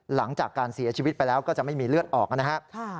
หลังจากการเสียชีวิตไปแล้วก็จะไม่มีเลือดออกนะครับ